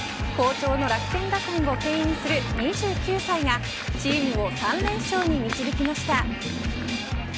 好調の楽天打線をけん引する２９歳がチームを３連勝に導きました。